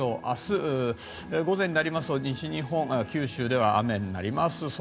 明日、午前になりますと西日本、九州では雨になります。